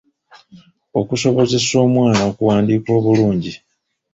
Okusobozesa omwana okuwandiika obulungi.